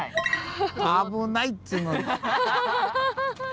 危ないっつうのに。